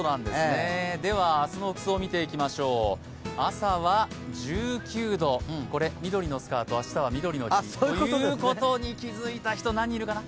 では明日の服装を見ていきましょう、朝は１９度これ、緑のスカート明日はみどりの日ということに気づいた人、何人いるかな？